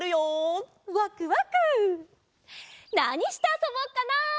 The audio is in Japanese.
なにしてあそぼっかな？